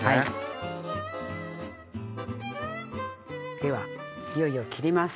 ではいよいよ切ります。